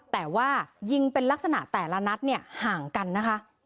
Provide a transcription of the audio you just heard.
แต่ว่ายิงเป็นลักษณะแต่ละนัดเนี่ยห่างกันนะคะ